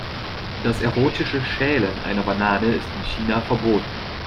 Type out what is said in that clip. Das erotische Schälen einer Banane ist in China verboten.